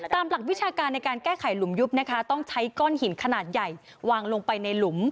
หลักวิชาการในการแก้ไขหลุมยุบนะคะต้องใช้ก้อนหินขนาดใหญ่วางลงไปในหลุม